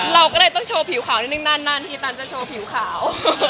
เราก็เลยต้องโชว์ผิวขาวนิดนึงนั่นที่ตันจะโชว์ผิวขาว